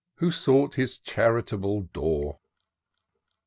Who sought his charitable door.